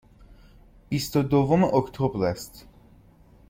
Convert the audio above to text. بیست و دوم اکتبر است.